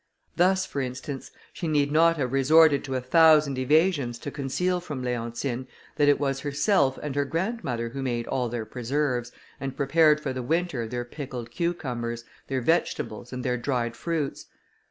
Thus, for instance, she need not have resorted to a thousand evasions to conceal from Leontine, that it was herself and her grandmother who made all their preserves, and prepared for the winter their pickled cucumbers, their vegetables, and their dried fruits.